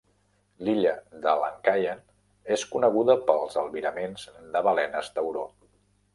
L'illa de Lankayan és coneguda pels albiraments de balenes tauró.